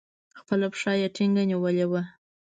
خپله پښه يې ټينگه نيولې وه.